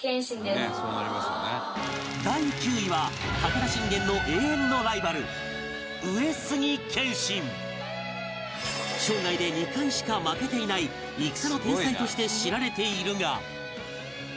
第９位は武田信玄の永遠のライバル生涯で２回しか負けていない戦の天才として知られているが